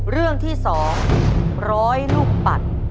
เรื่องที่สองร้อยลูกปัด